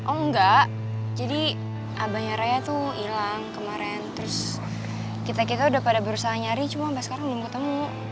oh enggak jadi abahnya raya tuh hilang kemarin terus kita kita udah pada berusaha nyari cuma sampai sekarang belum ketemu